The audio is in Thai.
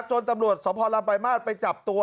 จนตำรวจสมพรรณลำไปมาทไปจับตัว